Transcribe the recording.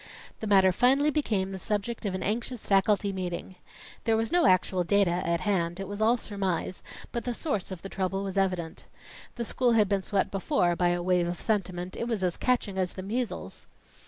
The matter finally became the subject of an anxious faculty meeting. There was no actual data at hand; it was all surmise, but the source of the trouble was evident. The school had been swept before by a wave of sentiment; it was as catching as the measles.